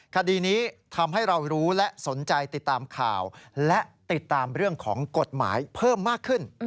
คดีนี้ทำให้เรารู้และสนใจติดตามข่าวและติดตามเรื่องของกฎหมายเพิ่มมากขึ้น